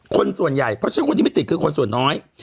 คนส่วนใหญ่เพราะฉะนั้นคนที่ไม่ติดคือคนส่วนน้อย